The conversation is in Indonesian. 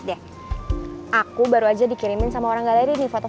mereka kemana ya katanya mau pulang bareng